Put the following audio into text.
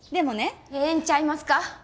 ええんちゃいますか？